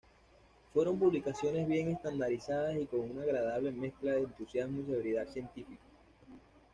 Fueron publicaciones bien estandarizadas y con una agradable mezcla de entusiasmo y severidad científica.